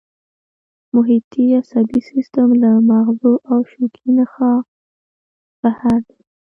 محیطي عصبي سیستم له مغزو او شوکي نخاع بهر دی